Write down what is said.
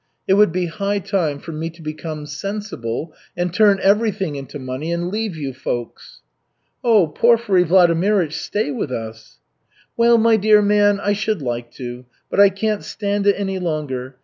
It would be high time for me to become sensible and turn everything into money and leave you folks." "Oh, Porfiry Vladimirych, stay with us." "Well, my dear man, I should like to, but I can't stand it any longer.